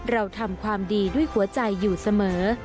เราทำความดีด้วยหัวใจอยู่เสมอ